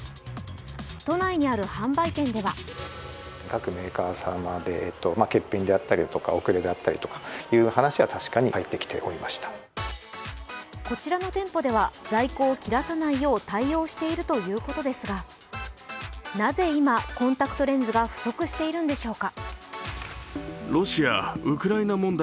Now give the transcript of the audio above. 都内にある販売店ではこちらの店舗では在庫を切らさないよう対応しているということですがなぜ今、コンタクトレンズが不足しているんでしょうか。